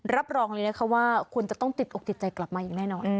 รับรองเลยนะคะว่าคุณจะต้องติดอกติดใจกลับมาอย่างแน่นอน